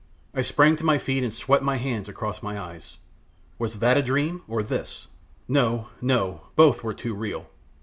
I sprang to my feet and swept my hands across my eyes. Was that a dream, or this? No, no, both were too real.